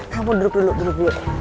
kamu duduk dulu duduk dulu